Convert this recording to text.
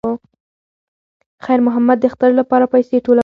خیر محمد د اختر لپاره پیسې ټولولې.